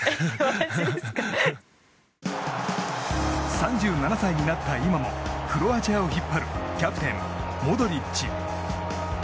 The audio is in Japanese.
３７歳になった今もクロアチアを引っ張るキャプテン、モドリッチ。